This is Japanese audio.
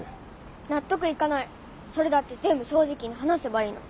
納得いかないそれだって全部正直に話せばいいのに。